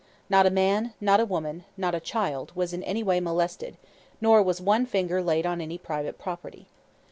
Not a man, not a woman, not a child, was in any way molested; nor was one finger laid on any private property.